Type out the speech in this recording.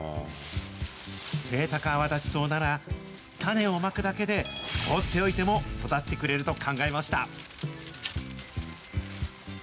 セイタカアワダチソウなら、種をまくだけで、放っておいても育ってくれると考えました。